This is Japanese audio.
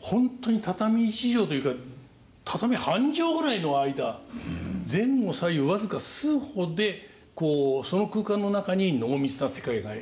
ホントに畳一畳というか畳半畳ぐらいの間前後左右僅か数歩でその空間の中に濃密な世界が描かれている。